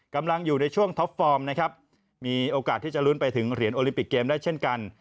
กำลังอยู่ในช่วงท็อปฟอร์มนะครับมีโอกาสที่จะลุ้นไปถึงเหรียญโอลิมปิกเกมได้เช่นกัน